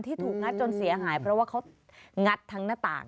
ถูกงัดจนเสียหายเพราะว่าเขางัดทั้งหน้าต่าง